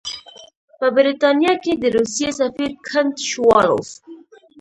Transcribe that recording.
په برټانیه کې د روسیې سفیر کنټ شووالوف.